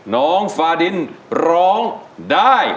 น้องฟาดินร้องได้